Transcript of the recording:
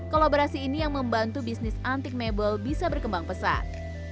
kolaborasi ini yang membantu bisnis antik mebel bisa berkembang pesat